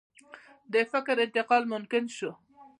د فکر انتقال ممکن شو.